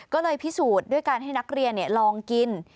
ก็เลยพิสูจน์ด้วยการให้นักเรียนลองกิน